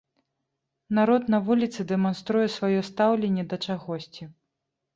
Народ на вуліцы дэманструе сваё стаўленне да чагосьці.